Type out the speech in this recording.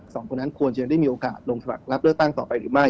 สองคนนั้นควรจะได้มีโอกาสลงสมัครรับเลือกตั้งต่อไปหรือไม่